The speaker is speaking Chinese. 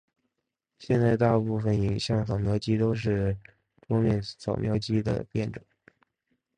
现在大部份影像扫描机都是桌面扫描机的变种。